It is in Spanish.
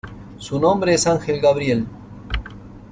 Su nombre es Ángel Gabriel.